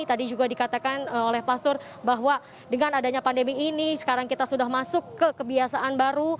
tadi juga dikatakan oleh pastor bahwa dengan adanya pandemi ini sekarang kita sudah masuk ke kebiasaan baru